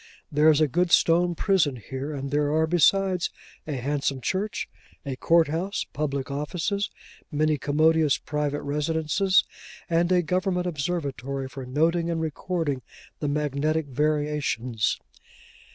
There is a good stone prison here; and there are, besides, a handsome church, a court house, public offices, many commodious private residences, and a government observatory for noting and recording the magnetic variations.